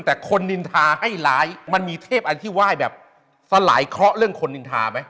แต่คนนินทาให้ร้ายมันมีเทพอันที่ไหว้แบบสลายเคราะห์เรื่องคนนินทาไหม